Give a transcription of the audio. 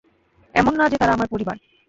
এমন না যে তারা আমার পরিবার।